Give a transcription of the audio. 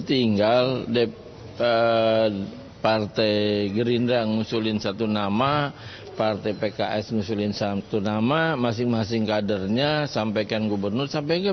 tinggal partai gerindra yang mengusulkan satu nama